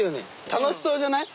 楽しそうじゃない？